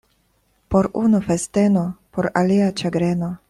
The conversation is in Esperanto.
Por unu — festeno, por alia — ĉagreno.